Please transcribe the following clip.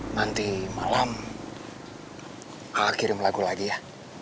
nanti malam kirim lagu lagi ya